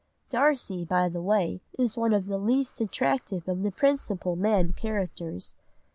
'" Darcy, by the way, is one of the least attractive of the principal men characters.